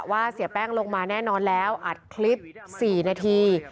เสียแป้งลงมาแน่นอนแล้วอัดคลิป๔นาที